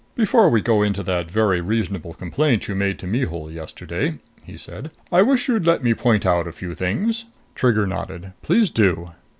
"Before we go into that very reasonable complaint you made to Mihul yesterday," he said, "I wish you'd let me point out a few things." Trigger nodded. "Please do."